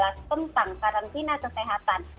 tentang karantina kesehatan